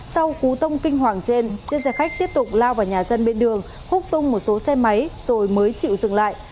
sau cú tông kinh hoàng trên chiếc xe khách tiếp tục lao vào nhà dân bên đường húc tung một số xe máy rồi mới chịu dừng lại